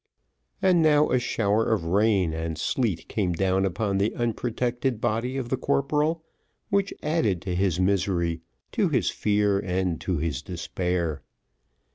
And now a shower of rain and sleet came down upon the unprotected body of the corporal, which added to his misery, to his fear, and to his despair.